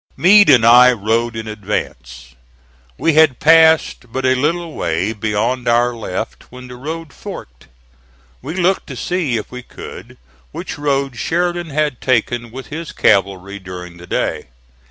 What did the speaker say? Meade and I rode in advance. We had passed but a little way beyond our left when the road forked. We looked to see, if we could, which road Sheridan had taken with his cavalry during the day.